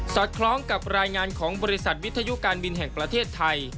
อดคล้องกับรายงานของบริษัทวิทยุการบินแห่งประเทศไทย